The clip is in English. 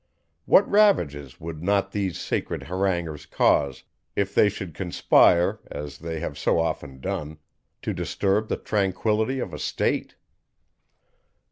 What ravages would not these sacred haranguers cause, if they should conspire, as they have so often done, to disturb the tranquillity of a state!